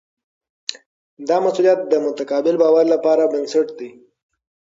دا مسؤلیت د متقابل باور لپاره بنسټ دی.